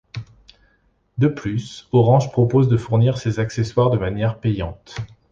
De plus Orange propose de fournir ces accessoires de manière payante.